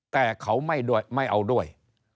แต่เขาไม่เอาด้วย